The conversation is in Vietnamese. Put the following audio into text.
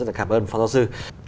rất là cảm ơn pháp giáo sư